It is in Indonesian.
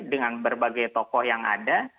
dengan berbagai tokoh yang ada